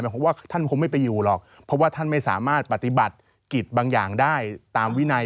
ผมว่าท่านคงไม่ไปอยู่หรอกเพราะว่าท่านไม่สามารถปฏิบัติกิจบางอย่างได้ตามวินัย